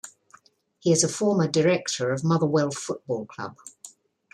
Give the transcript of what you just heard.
He is a former director of Motherwell Football Club.